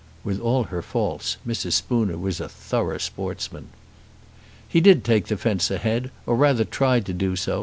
With all her faults Mrs. Spooner was a thorough sportsman. He did take the fence ahead, or rather tried to do so.